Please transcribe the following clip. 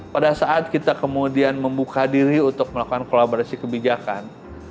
pada saat kita kemudian membuka diri untuk melakukan kolaborasi kebijakan